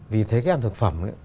vì thế cái ăn thực phẩm